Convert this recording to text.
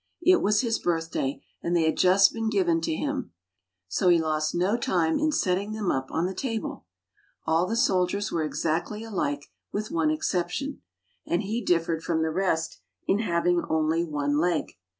" It was his birthday and they had just been given to him; so he lost no time in setting them up on the table. All the soldiers were exactly alike with one exception, and he differed from the rest in having only one leg.